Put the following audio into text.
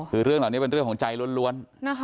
คือเรื่องเหล่านี้เป็นเรื่องของใจล้วน